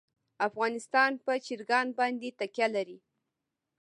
افغانستان په چرګان باندې تکیه لري.